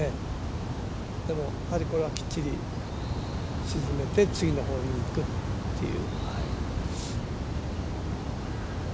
でも、これはきっちり沈めて次のホールに行くっていう。